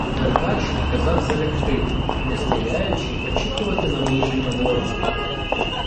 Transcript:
Деркач наказав залягти і, не стріляючи, очікувати наближення ворога.